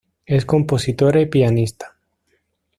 Es compositora y pianista.